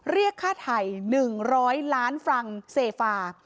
เรียกค่าไทย๑๐๐ล้านฟรังเซฟา